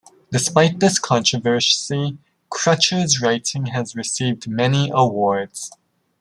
Despite this controversy, Crutcher's writing has received many awards.